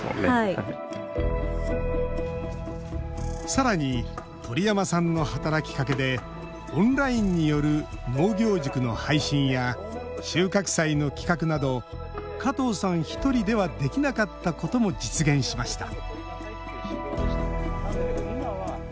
さらに鳥山さんの働きかけでオンラインによる農業塾の配信や収穫祭の企画など加藤さん１人ではできなかったことも実現しました